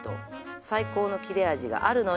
「最高の切れ味があるのに」